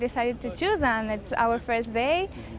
dan penampilan sangat bagus tentunya